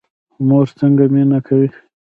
مور څنګه مینه کوي؟